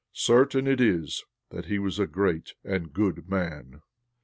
Certain it is that he was a great and good man."